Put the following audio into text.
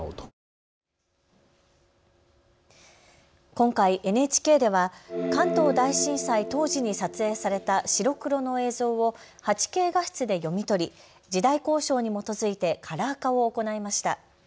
今回、ＮＨＫでは関東大震災当時に撮影された白黒の映像を８Ｋ画質で読み取り、時代考証に基づいてカラー化を行いました。